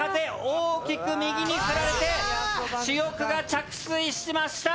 大きく右に振られて主翼が着水しました。